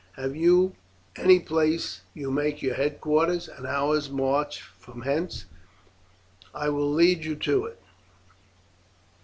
"Have you any place you make your headquarters?" "An hour's march from hence; I will lead you to it."